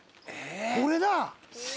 これだ。